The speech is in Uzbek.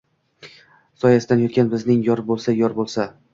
Soyasinda yotgan bizning yor boʼlsa, yor boʼlsa